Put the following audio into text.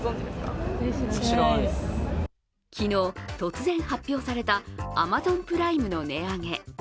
昨日、突然発表されたアマゾンプライムの値上げ。